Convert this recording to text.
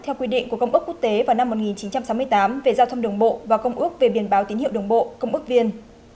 theo quy định của công ước quốc tế vào năm một nghìn chín trăm sáu mươi tám về giao thông đường bộ và công ước về biển báo tín hiệu đường bộ công ước viên